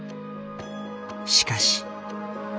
しかし。